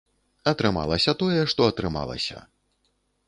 Атрымалася тое, што атрымалася.